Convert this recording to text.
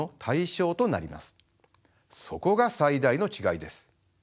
そこが最大の違いです。